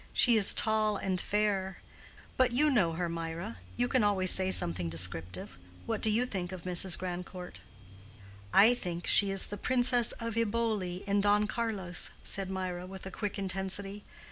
She is tall and fair. But you know her, Mirah—you can always say something descriptive. What do you think of Mrs. Grandcourt?" "I think she is the Princess of Eboli in Don Carlos," said Mirah, with a quick intensity.